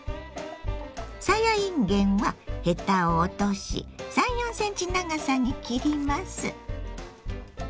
さやいんげんはヘタを落とし３４ｃｍ長さに切ります。